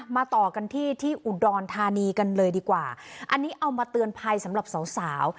ต่อกันที่ที่อุดรธานีกันเลยดีกว่าอันนี้เอามาเตือนภัยสำหรับสาวสาว